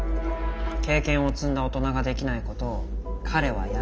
経験を積んだ大人ができないことを彼はやろうとしてる。